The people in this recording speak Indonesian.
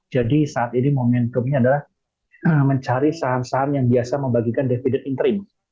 jadi saat ini momentumnya adalah mencari saham saham yang biasa membagikan dividend entry